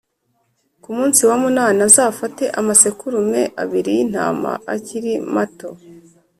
Ku munsi wa munani azafate amasekurume abiri y intama akiri mato